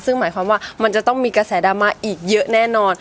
ซึ่งหมายความว่ามันจะต้องมีกระแสดราม่าอีกเยอะแน่นอน